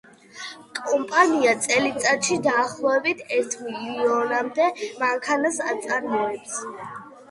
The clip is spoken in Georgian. კომპანია წელიწადში დაახლოებით ერთ მილიონამდე მანქანას აწარმოებს.